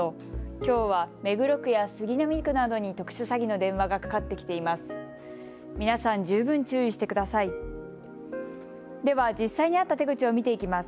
きょうは目黒区や杉並区などに特殊詐欺の電話がかかってきています。